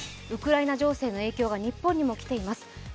ウクライナ情勢の影響が日本にもきていますね。